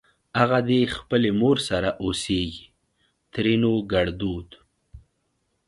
اغه دې خپلې مور سره اوسېږ؛ ترينو ګړدود